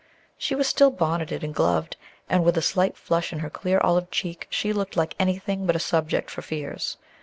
She was still bonneted and gloved, and with a slight flush in her clear olive cheek she looked like anything but a subject for fears.